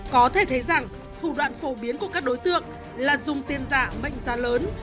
có thể thấy rằng thủ đoạn phổ biến của các đối tượng là dùng tiền giả mệnh giá lớn